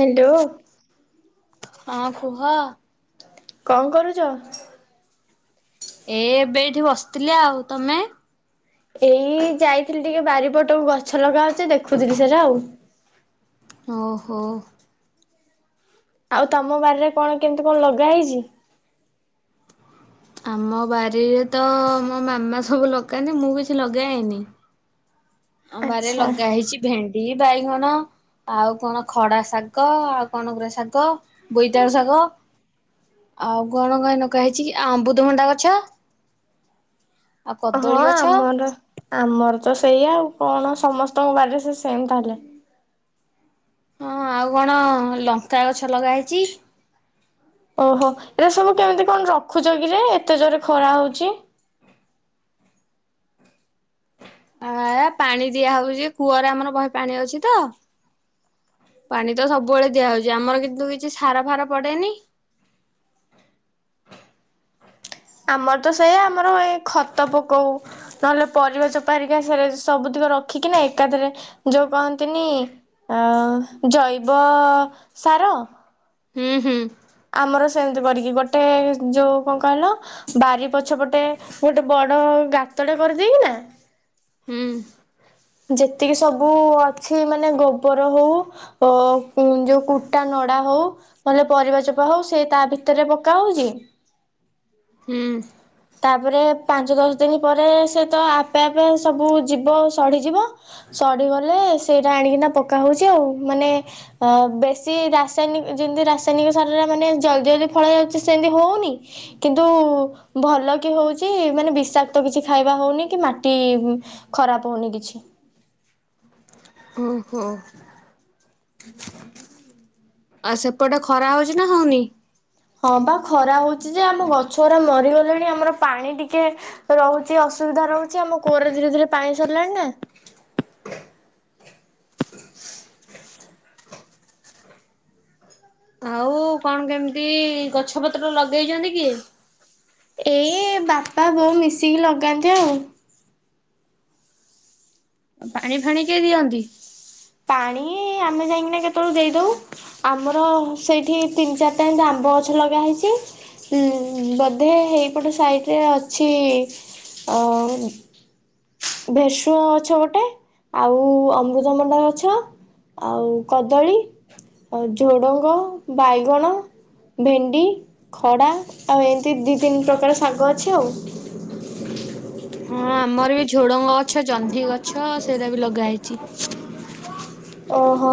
Hello. ହଁ କୁହ। କଣ କରୁଚ? ଏ ଏବେ ଏଇଠି ବସିଥିଲି ଆଉ ତମେ? ଏଇ ଯାଇଥିଲି ଟିକେ ବାରିପଟକୁ ଗଛ ଲଗା ହଉଛି ଦେଖୁଥିଲି ସେଟା ଆଉ। ଓହୋ। ଆଉ ତମ ବାରିରେ କଣ କେମିତି କଣ ଲଗା ହେଇଛି? ଆମ ବାରିରେ ତ ମୋ ମାମା ସବୁ ଲଗାନ୍ତି ମୁଁ କିଛି ଲଗାଏନି। ଆମବାରିରେ ଆଚ୍ଛା ଲଗା ହେଇଛି ଭେଣ୍ଡି ବାଇଗଣ ଆଉ କଣ ଖଡା ଶାଗ ଆଉ କଣ ଏଗୁରା ଶାଗ ବୋଇତାଳୁ ଶାଗ ଆଉ କଣ କଣ ନଗା ହେଇଛି ଅମୃତଭଣ୍ଡା ଗଛ ଆଉ ହଁ କଦଳୀ ଗଛ ଆମର ଆମର ତ ସେଇଆ ଆଉ କଣ ସମସ୍ତଙ୍କ ବାରିରେ ସେଇ ସେମ ତାହେଲେ। ହଁ ଆଉ କଣ ଲଙ୍କା ଗଛ ଲଗା ହେଇଛି? ଓହୋ ଏଇରା ସବୁ କେମିତି କଣ ରଖୁଛ କିରେ ଏତେ ଜୋରେ ଖରା ହଉଛି? ଆ ପାଣି ଦିଆହଉଛି କୂଅରେ ଆମର ବହେ ପାଣି ଅଛି ତ ପାଣି ତ ସବୁବେଳେ ଦିଆହଉଛି ଆମର କିନ୍ତୁ କିଛି ସାର ଫାର ପଡେନି। ଆମର ତ ସେୟା ଆମର ଏ ଖତ ପକଉ ନହେଲେ ପରିବା ଚୋପା ହେରିକା ସେ ସବୁତକ ରଖିକିନା ଏକାଥରେ ଯୋଉ କହନ୍ତିନି ଆ ଜୈବ ସାର ହୁଁ ହୁଁ। ଆମର ସେମିତି କରିକି ଗୋଟେ ଯୋଉ କଣ କହିଲ ବାରି ପଛପଟେ ଗୋଟେ ବଡ ଗାତଟେ କରିଦେଇକିନା ହୁଁ। ଯେତିକି ସବୁ ଅଛି ମାନେ ଗୋବର ହଉ ଅ ଯୋଉ କୁଟା ନଡା ହଉ ନହେଲେ ପରିବା ଚୋପା ହଉ ସେ ତା ଭିତରେ ପକା ହଉଛି ହୁଁ ତାପରେ ପାଞ୍ଚ ଦଶ ଦିନ ପରେ ସେ ତ ଆପେ ଆପେ ସବୁ ଯିବ ସଢିଯିବ ସଢିଗଲେ ସେଇଟା ଆଣିକିନା ପକା ହଉଛି ଆଉ ମାନେ ଅ ବେଶୀ ରାସାୟନିକ ଯେମତି ରାସାୟନିକ ସାର ଟା ମାନେ ଜଲଦି ଜଲଦି ଫଳ ଯାଉଛି ସେମିତି ହଉନି କିନ୍ତୁ ଭଲ କି ହଉଚି ମାନେ ବିଷାକ୍ତ କିଛି ଖାଇବା ହଉନି କି ମାଟି ଖରାପ ହଉନି କିଛି। ଓହୋ। ଆଉ ସେପଟେ ଖରା ହଉଛି ନା ହଉନି। ହଁ ବା ଖରା ହଉଛି ଯେ ଆମ ଗଛ ଗୁଡା ମରିଗଲେଣି ଆମର ପାଣି ଟିକେ ରହୁଛି ଅସୁବିଧା ରହୁଛି ଆମ କୂଅରେ ଧୀରେ ଧୀରେ ପାଣି ସରିଲାଣି ନା ଆଉ କଣ କେମିତି ଗଛ ପତ୍ର ଲଗେଇଛନ୍ତି କି? ଏଇ ବାପ ବାପା ବୋଉ ମିଶିକି ଲଗାନ୍ତି ଆଉ। ପାଣି ଫାଣି କିଏ ଦିଅନ୍ତି? ପାଣି ଆମେ ଯାଇକିନା କେତେବେଳୁ ଦେଇଦଉ ଆମର ସେଇଠି ତିନି ଚାରି ଟା ଏମିତି ଆମ୍ବ ଗଛ ଲଗା ହେଇଛି ଉ ବଧେ ହେଇପଟ ସାଇଡରେ ଅଛି ଅ ଭେସୁଅଁ ଗଛ ଗୋଟେ ଆଉ ଅମୃତମଣ୍ଡା ଗଛ ଆଉ କଦଳୀ ଆଉ ଝୋଡଙ୍ଗ ବାଇଗଣ ଭେଣ୍ଡି ଖଡା ଆଉ ଏମିତି ଦି ତିନି ପ୍ରକାର ଶାଗ ଅଛି ଆଉ। ହଁ ଆମର ବି ଝୁଡଙ୍ଗ ଗଛ ଜହ୍ନି ଗଛ ସେଇରା ବି ଲଗା ହେଇ ଚି ଓହୋ।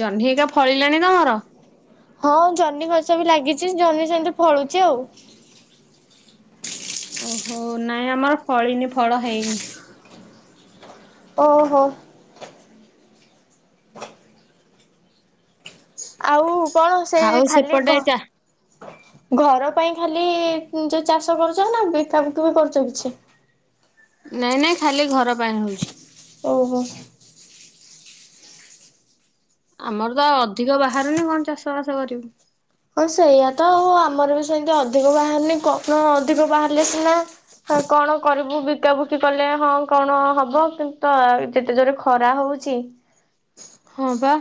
ଜହ୍ନି ହେକା ଫଳିଲାଣି ତମର? ହଁ ଜହ୍ନି ଗଛ ବି ଲାଗିଚି ଜହ୍ନି ସେମିତି ଫଳୁଚି ଆଉ। ଓହୋ ନାଇଁ ଆମର ଫଳିନି ଫଳ ହେଇନି। ଓହୋ। ଆଉ କଣ ସେ ଆଉ ଖାଲି ସେପଟେ କହ ଚା ଘ ଘର ପାଇଁ ଖାଲି ଯୋଉ ଚାଷ କରୁଚନ୍ତି ନା ବିକା ବୁକି ବି କରୁଚନ୍ତି କିଛି ନାଇଁ ନାଇଁ ଖାଲି ଘର ପାଇଁ ହଉଚି। ଓହୋ। ଆମର ତ ଅଧିକ ବାହାରୁନି କଣ ଚାଷ ବାସ କରିବୁ। ହଁ ସେଇଆ ତ ଆଉ ଆମର ବି ସେମିତି ଅଧିକ ବାହାରନି କଣ ଅଧିକ ବାହାରିଲେ ସିନା ହା କଣ କରିବୁ ବିକାବିକି କଲେ ହଁ କଣ ହବ କି ତ ଯେତେ ଜୋରେ ଖରା ହଉଛି ହଁ ପା।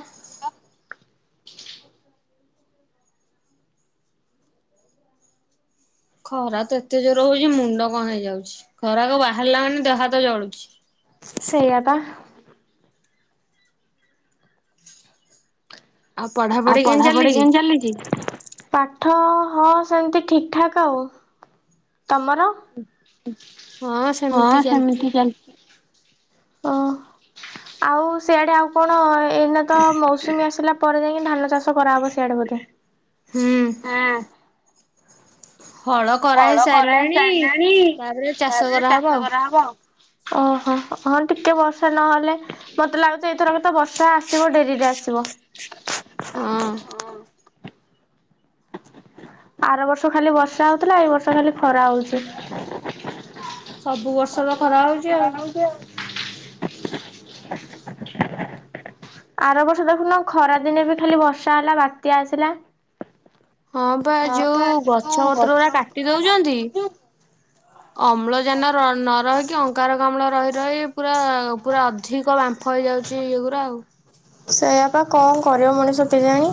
ଖରା ତ ଏତେ ଜୋର ହଉଛି ମୁଣ୍ଡ କଣ ହେଇଯାଉଚି ଖରାକୁ ବାହାରିଲା ମାନେ ଦେହ ହାତ ଜଳୁଚି। ସେୟା ପା। ଆଉ ପଢାପଢି କେମିତି ଚାଲିଚି ପାଠ ହଁ ସେମିତି ଠିକ୍ ଠାକ୍ ଆଉ ତମର? ହଁ ସେମିତି ହଁ ଚାଲିଛି ସେମିତି ଚାଲିଚି ଓ ଆଉ ସେଆଡେ ଆଉ କଣ ଏଇନା ତ ମୌସୁମୀ ଆସିଲା ପେ ଧାନ ଚାଷ କରାହବ ସିଆଡେ ବୋଧେ। ହୁଁ ହଳ କରା ହେଇ ସାରିଲାଣି ତାପରେ ଚାଷ କରାହବ ଆଉ। ଓହୋ ହଁ ଟିକେ ବର୍ଷା ନହେଲେ ମତେ ଲାଗୁଛି ଏଇଥରକ ତ ବର୍ଷା ଆସିବ ଡେରିରେ ଆସିବ। ହଁ। ଆର ବର୍ଷ ଖାଲି ବର୍ଷା ହଉଥିଲା ଏଇ ବର୍ଷ ଖାଲି ଖରା ହଉଛି। ସବୁ ବର୍ଷ ତ ଖରା ହଉଛି ଆଉ। ଆର ବର୍ଷ ଦେଖୁନ ଖରା ଦିନେ ବି ଖାଲି ବର୍ଷା ହେଲା ବାତ୍ୟା ଆସିଲା। ହଁ ବା ଯୋଉ ଗଛ ପତ୍ର ଗୁଡା କାଟି ଦଉଛନ୍ତି ଅମ୍ଳ ଯାନ ନ ରହିକି ଅଙ୍ଗାରକ ଅମ୍ଳ ରହି ରହି ପୁରା ପୁରା ଅଧିକ ବାମ୍ଫ ହେଇଯାଉଛି ଏଗୁୁରା ଆଉ। ସେଇଆପା କଣ କରିବ ମଣିଷ କେଜାଣି।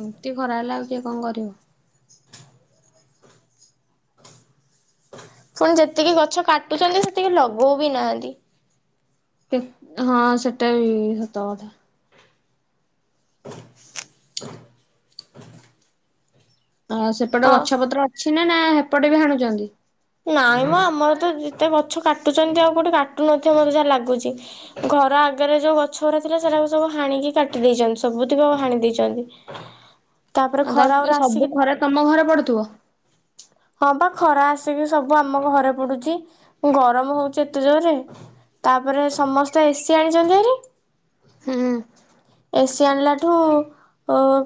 ଏମତି ଖରା ହେଲେ ଆଉ କିଏ କଣ କରିବୁ। ପୁଣି ଯେତିକି ଗଛ କାଟୁଛନ୍ତି ସେତିକି ଲଗଉ ବି ନାହାନ୍ତି। କେ ହଁ ସେଟା ବି ସତ କଥା। [inaudible] ଆ ସେପଟେ ଆଉ ଗଛ ପତ୍ର ଅଛି। ନାଁ ନାଁ ହେପଟେ ବି ହାଣୁଚନ୍ତି। ନାଇଁ ମ ଆମର ତ ଯେତେ ଗଛ କାଟୁଚନ୍ତି ଆଉ କୋଉଠି କାଟୁ ନଥିବ ମୋତେ ଯାହା ଲାଗୁଚି। ଘର ଆଗରେ ଯୋଉ ଗଛ ଉରା ଥିଲା ସେରାକୁ ସବୁ ହାଣିକି କାଟି ଦେଇଚନ୍ତି ସବୁତିକ ହାଣି ଦେଇଚନ୍ତି। ଆଉ ତାହେଲେ ସବୁ ଖରା ତମ ଘରେ ପଡୁଥିବ। ହଁ ପା ଖରା ଆସିକି ସବୁ ଆମ ଘରେ ପଡୁଚି। ଗରମ ହୋଉଚି ଏତେ ଜୋରରେ ତାପରେ ସମସ୍ତେ ଏସି ଆଣିଚନ୍ତିଭାରି। ହୁଁ ଏସି ଆଣିଲାଠୁ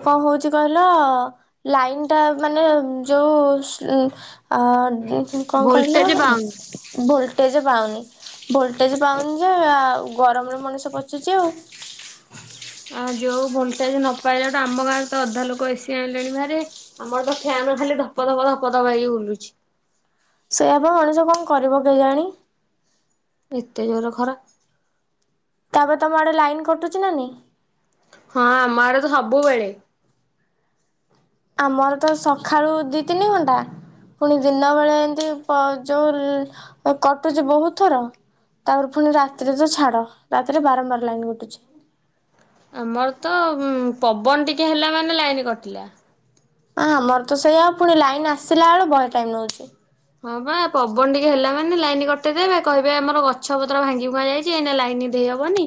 କଣ ହୋଉଚି କହିଲ ଲାଇନ୍ ଟା ମାନେ ଯୋଉ ଉଁ ଆ ଦୁ କଣ କହିଲ ଭୋଲଟେଜ ପାଉନି। ଭୋଲଟେଜ୍ ପାଉନି। ଭୋଲଟେଜ୍ ପାଉନି ଯେ ଆଉ ଗରମରେ ମଣିଷ ପଡୁଚି ଆଉ। ଆ ଯୋଉ ଭୋଲଟେଜ୍ ନ ପାଇଲାଠୁ ଆମ ଗାଁରେ ତ ଅଧା ଲୋକ ଏସି ଆଣିଲେଣିଭାରି ଆମର ତ ଫ୍ୟାନ ଖାଲି ଧପ ଧପ ଧପ ଧପ ହେଇକି ବୁଲୁଚି। ସେଇଆପା ମଣିଷ କଣ କରିବ କେଜାଣି। ଏତେ ଜୋର ଖରା। ତାପରେ ତମ ଆଡେ ଲାଇନ୍ କଟୁଚି ନାଁ ନାଇଁ? ହଁ ଆମ ଆଡେ ତ ସବୁବେଳେ। ଆମର ତ ସକାଳୁ ଦି ତିନି ଘଣ୍ଟା ପୁଣି ଦିନ ବେଳେ ଏମିତି ଯୋଉ କଟୁଚି ବୋହୁତ ଥର ତାପରେ ପୁଣି ରାତିରେ ତ ଛାଡ ରାତିରେ ବାରମ୍ବାର ଲାଇନ୍ କଟୁଚି। ଆମର ତ ପବନ ଟିକେ ହେଲା ମାନେ ଲାଇନ୍ କଟିଲା। ଆ ଆମର ତ ସେଇଆ ଫୁଣି ଲାଇନ୍ ଆସିଲା ବେଳୁ ବହେ ଟାଇମ୍ ନୋଉଚି। ହଁ ପା ପବନ ଟିକେ ହେଲା ମାନେ ଲାଇନ୍ କଟେଇଦବେ କହିବେ ଆମର ଗଛ ପତ୍ର ଭାଙ୍ଗି ଭୁଙ୍ଗା ଯାଇଚି ଏଇ ଲାଇନ୍ ଦେଇହବନି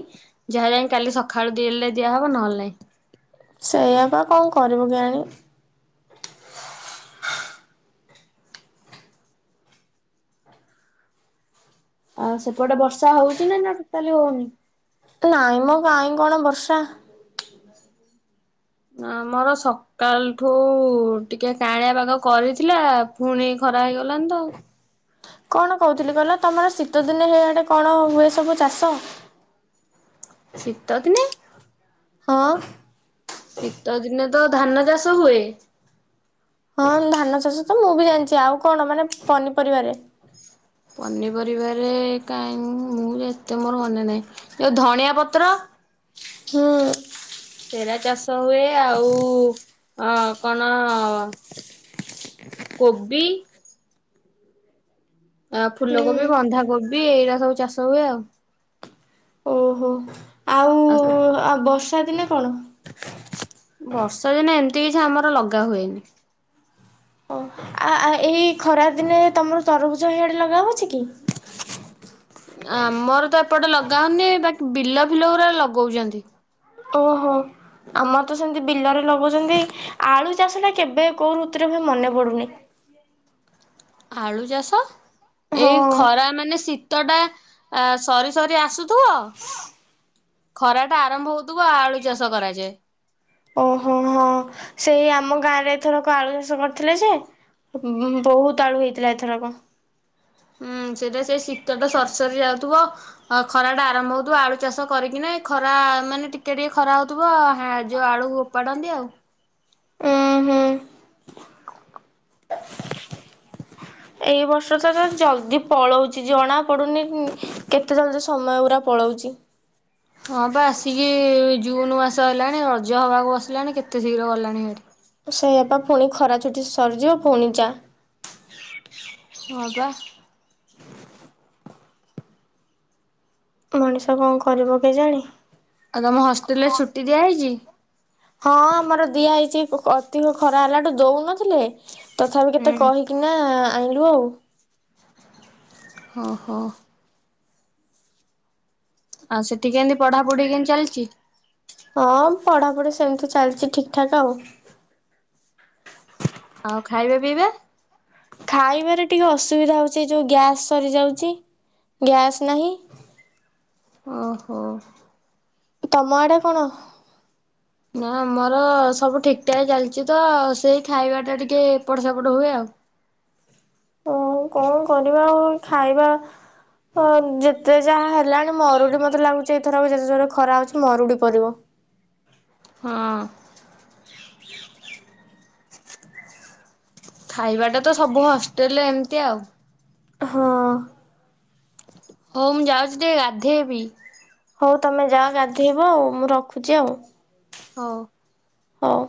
ଯାହା ଯାଇକି କାଲି ସକାଳୁ ଦେଲେ ଦିଆହବ ନହେଲେ ନାଇଁ। ସେଇଆ ପା କଣ କରିବୁ କେୟାଣି। ଆଉ ସେପଟେ ବର୍ଷା ହୋଉଚି ନା ନା ଟୋଟାଲି ହୋଉନି? ନାଇଁ ମ କାଇଁ କଣ ବର୍ଷା। ଆମର ସକାଳଠୁ ଟିକେ କାଁଳିଆ ପାଗ କରିଥିଲା ପୁଣି ଖରା ହେଇଗଲା। ଲାନି ତ ଆଉ। କଣ କୋହୁଥିଲି କହିଲ ତମର ଶୀତ ଦିନେ ହେୟାଡେ କଣ ହୁଏ ସବୁ ଚାଷ? ଶୀତ ଦିନେ? ହଁ। ଶୀତ ଦିନେ ତ ଧାନ ଚାଷ ହୁଏ। ହଁ ଧାନ ଚାଷ ତ ମୁଁ ବି ଜାଣିଚି ଆଉ କଣ ମାନେ ପନିପରିବାରେ? ପନିପରିବାରେ କାଇଁ ମୁଁ ଏତେ ମୋର ମନେ ନାହିଁ। ଯୋଉ ଧଣିଆ ପତ୍ର ହୁଁ। ସେରା ଚାଷ ହୁଏ। ଆଉ ଅ କଣ କୋବି ଆ ଫୁଲକୋବି ହୁଁ। ବନ୍ଧାକୋବ ବି ଏଇରା ସବୁ ଚାଷ ହୁଏ ଆଉ। ଓହୋ ଆଉ ଆଉ ବସ୍ ର୍ଷା ଦିନେ କଣ? ବର୍ଷା ଦିନେ ଏମ୍ ନ୍ତି କିଛି ଆମର ଲଗା ହୁଏନି। ଓ ଆ-ଆ ଏଇ ଖରା ଦିନେ ତମର ତରୁଭୁଜ ହିଆଡେ ଲଗା ହୋଉଛି କି? ଆମର ଏପଟ ଲଗା ହଉନି ବାକି ବିଲ ଫୁଲ ଗୁରା ଲଗଉଛନ୍ତି। ଓହୋ ଆମର ତ ସେମିତି ବିଲରେ ଲଗଉଛନ୍ତି ଆଳୁ ଚାଷଟା କେବେ କୋଉ ଋତୁରେ ହୁଏ ମନେ ପଡୁନି। ଆଳୁ ଚାଷ? ହଁ। ଏଇ ଖରା ମାନେ ଶୀତ ଶୀତ ଟା ସରି ସରି ଆସୁ ତ ଖରା ଟା ଆରମ୍ଭ ହଉଥିବ ଆଳୁ ଚାଷ କରାଯାଏ। ଓହୋ ହଁ ସେଇ ଆମ ଗାଁରେ ଏଥରକ ଆଳୁ ଚାଷ କରିଥିଲେ ଯେ ମ ବହୁତ ଆଳୁ ହେଇଥିଲା ଏଥରକ। ହୁଁ ସେଟା ସେ ଶୀତ ଟା ସରିସରି ଯାଉଥିବ ଖରା ଟା ଆରମ୍ଭ ହଉଥିବ ଆଳୁ ଚାଷ କରିକିନା ଖରା ମାନେ ଟିକେ ଟିକେ ଖରା ହଉଥିବ ଅ ଯୋଉ ଆଳୁ ଓପାଡନ୍ତି ଆଉ। ଉଁ ହୁଁ ଏଇ ବର୍ଷ ତ ଜଲଦି ପଳଉଚି ଜଣା ପଡୁନି କେତେ ଜଲଦି ସମୟ ଗୁରା ପଳଉଚି। ହଁ ବା ଆସିକି ଜୁନ ମାସ ହେଲାଣି ରଜ ହବାକୁ ବସିଲାଣି କେତେ ଶୀଘ୍ର ଗଲାଣି ହାରି। ସେଇଆ ପା ପୁଣି ଖରା ଛୁଟି ସରିଯିବ ପୁଣି ଯା ହଁ ବା ମଣିଷ କଣ କରିବ କେଜାଣି? ଆଉ ତମ ହଷ୍ଟେଲ ରେ ଛୁଟି ଦିଆହେଇଛି? ହଁ ଆମର ଦିଆ ହେଇଛି ଅ ଅଧିକ ଖରା ହେଲାଠୁ ଦଉନଥିଲେ? ତଥାପି କେତେ ହୁଁ। କହିକିନା ଆଇଁଲୁ ଆଉ। ଓହୋ। ଆଉ ସେଠି କେମତି ପଢାପଢି କେମିତି ଚାଲିଛି? ହଁ ପଢାପଢି ସେମିତି ଚାଲିଚି ଠିକ୍ ଠାକ୍ ଆଉ। ଆଉ ଖାଇବା ପିଇବା? ଖାଇବାରେ ଟିକେ ଅସୁବିଧା ହୋଉଚି ଏଇ ଯୋଉ ଗ୍ୟାସ୍ ସରିଯାଉଚି ଗ୍ୟାସ୍ ନାହିଁ। ଓହୋ। ତମ ଆଡ଼େ କଣ? ନା ଆମର ସବୁ ଠିକ୍ ଠାକ୍ ଚାଲିଚି ତ ସେଇ ଖାଇବା ଟା ଟିକେ ଏପଟ ସେପଟ ହୁଏ ଆଉ। ହୋଉ କଣ କରିବା ଆଉ ଏ ଖାଇବା ଯେତେ ଯାହା ହେଲାଣି ମରୁଡି ମତେ ଲାଗୁଚି ଏଇଥର ବି ଯେତେ ଜୋରେ ଖରା ହୋଉଚି ମରୁଡି ପରିବ। ହଁ। ଖାଇବା ଟା ତ ସବୁ ହଷ୍ଟେଲରେ ଏମିତି ଆଉ। ହଁ। ହୋଉ ମୁଁ ଯାଉଚି ଟିକେ ଗାଧେଇବି। ହୋଉ ତମେ ଯାଅ ଗାଧେଇବ ଆଉ ମୁଁ ରଖୁଚି ଆଉ। ହୋଉ। ହୋଉ।